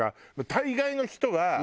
大概の人はうわ！